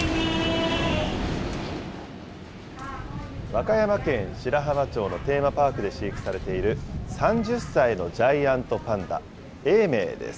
和歌山県白浜町のテーマパークで飼育されている、３０歳のジャイアントパンダ、永明です。